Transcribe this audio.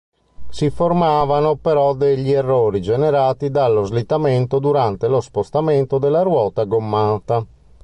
Si formavano, però, degli errori generati dallo slittamento durante lo spostamento della ruota gommata.